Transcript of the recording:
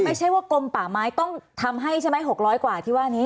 ไม่ใช่ว่ากลมป่าไม้ต้องทำให้ใช่ไหม๖๐๐กว่าที่ว่านี้